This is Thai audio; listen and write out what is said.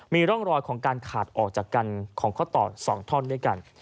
มีร่องรอยของการขาดออกจากกันของข้อต่อ๒ท่อนด้วยกัน